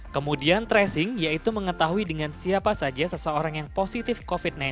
kemudian tracing yaitu mengetahui dengan siapa saja seseorang yang positif covid sembilan belas